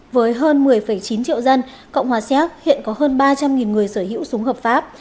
với hơn một mươi chín triệu dân cộng hòa xéc hiện có hơn ba trăm linh người sở hữu súng hợp pháp